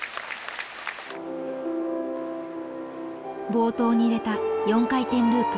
冒頭に入れた４回転ループ。